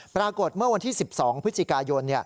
ปรากฏเมื่อวันที่๑๒พฤศจิกายน